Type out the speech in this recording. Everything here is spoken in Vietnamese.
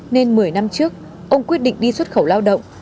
nên một mươi năm trước ông quyết định đi xuất khẩu lao động